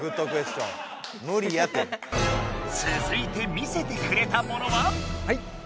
つづいて見せてくれたものは？はいっ。